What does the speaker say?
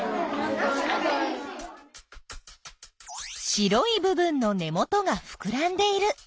白い部分の根元がふくらんでいる。